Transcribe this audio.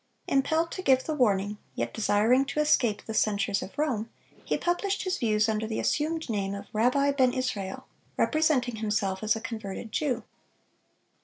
Impelled to give the warning, yet desiring to escape the censures of Rome, he published his views under the assumed name of "Rabbi Ben Israel," representing himself as a converted Jew.